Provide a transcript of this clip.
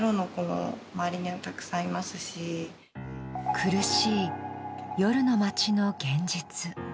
苦しい夜の街の現実。